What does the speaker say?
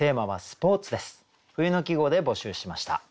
冬の季語で募集しました。